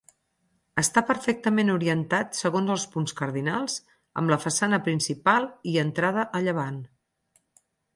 Està perfectament orientat segons els punts cardinals, amb la façana principal i entrada a llevant.